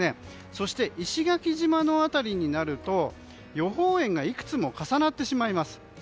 そして、石垣島の辺りになると予報円がいくつも重なってしまいます。